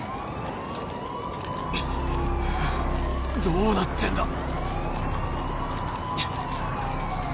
どうなってんだ？